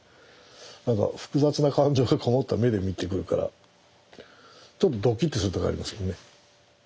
何か複雑な感情がこもった目で見てくるからちょっとドキっとする時ありますもんね。